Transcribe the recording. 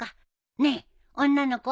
ねえ女の子？